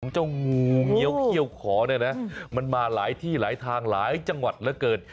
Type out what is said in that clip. เจ้างูเงี้ยวเขี้ยวขอเนี่ยนะมันมาหลายที่หลายทางหลายจังหวัดเหลือเกิน